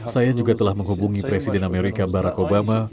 saya juga telah menghubungi presiden amerika barack obama